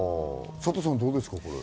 サトさん、どうですか？